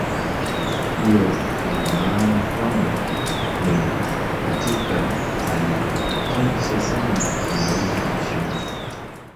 Hiyo ina maana kwamba ni katika hali chache sana inaweza kushindwa.